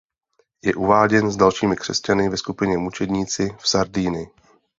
Je uváděn s dalšími křesťany ve skupině Mučedníci v Sardinii.